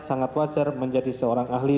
sangat wajar menjadi seorang ahli